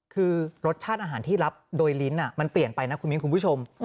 คือรสชาติอาหารที่รับโดยลิ้นมันเปลี่ยนไปนะคุณมิ้นคุณผู้ชม